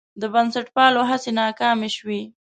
د بنسټپالو هڅې ناکامې شوې.